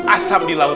asam di laut